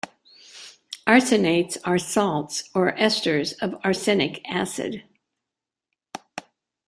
Arsenates are salts or esters of arsenic acid.